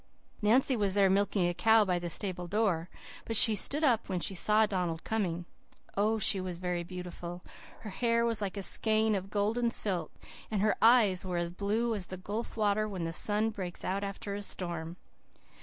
Nancy was there milking a cow by the stable door, but she stood up when she saw Donald coming. Oh, she was very beautiful! Her hair was like a skein of golden silk, and her eyes were as blue as the gulf water when the sun breaks out after a storm.